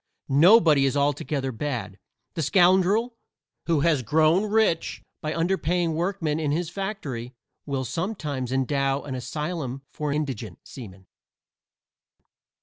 Nobody is altogether bad; the scoundrel who has grown rich by underpaying workmen in his factory will sometimes endow an asylum for indigent seamen.